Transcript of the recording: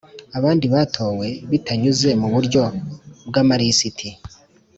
Abandi batowe bitanyuze mu buryo bw amalisiti